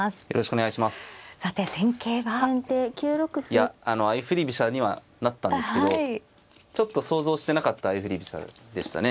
いや相振り飛車にはなったんですけどちょっと想像してなかった相振り飛車でしたね。